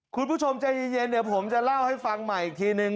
คุณผู้ชมใจเย็นเดี๋ยวผมจะเล่าให้ฟังใหม่อีกทีนึง